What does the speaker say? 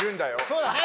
そうだね。